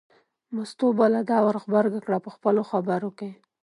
مستو به لا دا ور غبرګه کړه په خپلو خبرو کې.